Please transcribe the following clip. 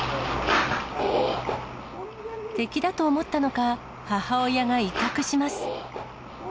敵だと思ったのか、母親が威嚇します。